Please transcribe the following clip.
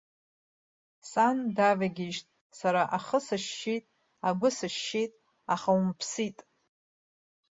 Сан давагьежьт, сара ахы сышьшьит, агәы сышьшьит, аха умԥсит.